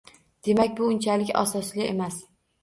Demak, bu unchalik asosli sabab emas